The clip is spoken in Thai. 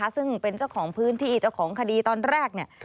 ซึ่งเป็นเจ้าของพื้นที่เจ้าของคดีตอนแรก